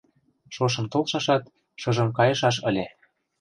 Шошым толшашат, шыжым кайышаш ыле...